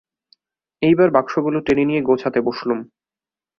এইবার বাক্সগুলো টেনে নিয়ে গোছাতে বসলুম।